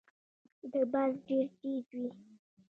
د باز نظر ډیر تېز وي